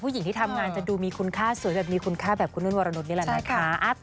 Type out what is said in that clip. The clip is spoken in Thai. หญิงที่ทำงานจะดูมีคุณค่าสวยแบบมีคุณค่าแบบคุณนุ่นวรนุษย์นี่แหละนะคะ